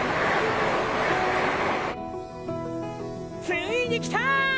ついに来た！